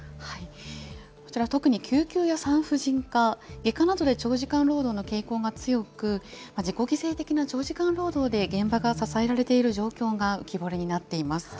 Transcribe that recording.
こちら、特に救急や産婦人科、外科などで長時間労働の傾向が強く、自己犠牲的な長時間労働で現場が支えられている状況が浮き彫りになっています。